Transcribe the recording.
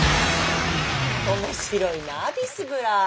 面白いなビスブラ。